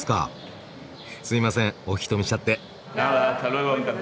すいませんお引き止めしちゃって。